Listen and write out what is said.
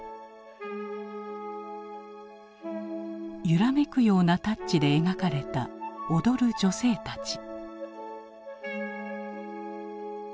揺らめくようなタッチで描かれた踊る女性たち。